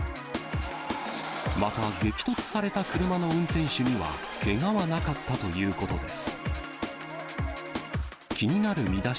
また激突された車の運転手には、けがはなかったということです。